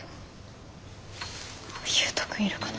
悠人君いるかな？